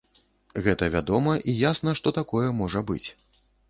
Гэта вядома і ясна, што такое можа быць.